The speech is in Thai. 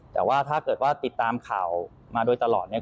แต่ว่าถ้าเกิดว่าติดตามข่าวมาโดยตลอดเนี่ย